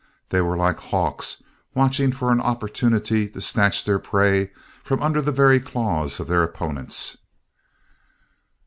They were like hawks watching for an opportunity to snatch their prey from under the very claws of their opponents.